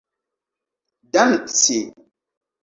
danci